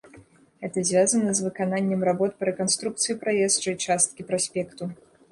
Гэта звязана з выкананнем работ па рэканструкцыі праезджай часткі праспекту.